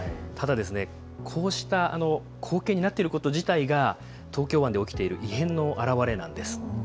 ただ、こうした光景になっていること自体が、東京湾で起きている異変の表れなんです。